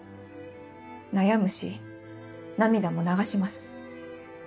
悩むし涙も流します。